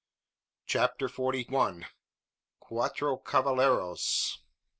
CHAPTER FORTY ONE. CUATRO CAVALLEROS.